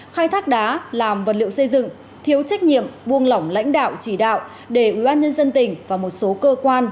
khai thác đá làm vật liệu xây dựng thiếu trách nhiệm buông lỏng lãnh đạo chỉ đạo để ubnd tỉnh và một số cơ quan